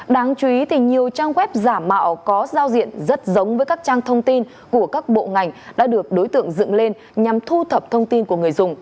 đáng chú ý nhiều trang web giả mạo có giao diện rất giống với các trang thông tin của các bộ ngành đã được đối tượng dựng lên nhằm thu thập thông tin của người dùng